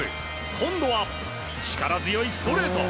今度は力強いストレート。